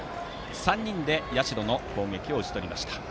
３人で社の攻撃を打ち取りました。